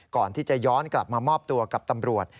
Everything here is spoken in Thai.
ก่อนที่จะย้อนกลับมามอบตัวกับตำรวจ